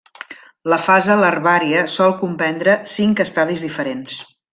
La fase larvària sol comprendre cinc estadis diferents.